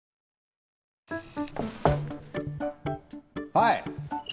はい！